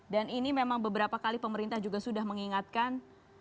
dan ini memang beberapa kali pemerintah juga sudah mengingatkan